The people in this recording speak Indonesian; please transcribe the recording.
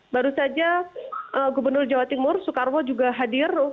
baru saja gubernur jawa timur soekarwo juga hadir